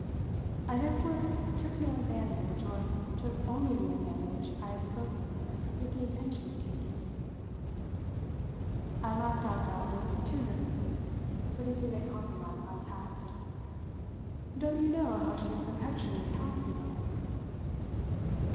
I therefore took no advantage, or took only the advantage I had spoken with the intention of taking. I laughed out doubtless too nervously, but it didn't compromise my tact. "Don't you know how she's perpetually pouncing on him?"